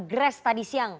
gres tadi siang